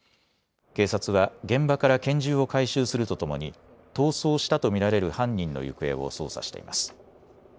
警察は現場から拳銃を回収するとともに逃走したと見られる犯人の行方を捜査しています。